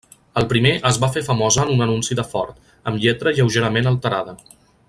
El primer es va fer famosa en un anunci de Ford, amb lletra lleugerament alterada.